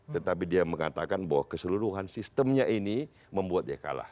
tetapi dia mengatakan bahwa keseluruhan sistemnya ini membuat dia kalah